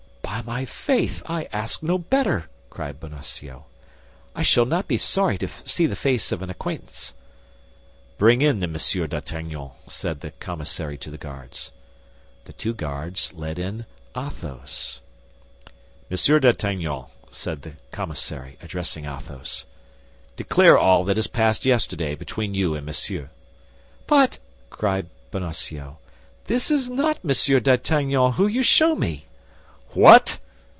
"By my faith, I ask no better," cried Bonacieux; "I shall not be sorry to see the face of an acquaintance." "Bring in the Monsieur d'Artagnan," said the commissary to the guards. The two guards led in Athos. "Monsieur d'Artagnan," said the commissary, addressing Athos, "declare all that passed yesterday between you and Monsieur." "But," cried Bonacieux, "this is not Monsieur d'Artagnan whom you show me." "What!